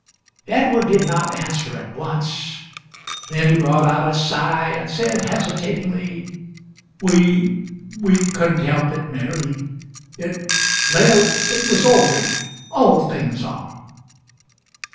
Edward did not answer at once; then he brought out a sigh and said, hesitatingly: "We we couldn't help it, Mary. It well it was ordered. All things are."